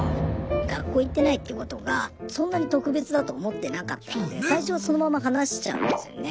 学校行ってないっていうことがそんなに特別だと思ってなかったんで最初はそのまま話しちゃうんですよね。